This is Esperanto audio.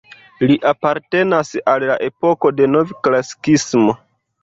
Li apartenas al la epoko de novklasikismo.